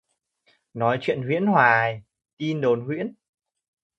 Nói chuyện huyễn hoài! Tin đồn huyễn